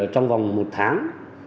trong vòng một tháng